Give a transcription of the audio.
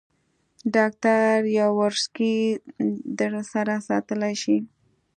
ډاکټر یاورسکي در سره ساتلای شې.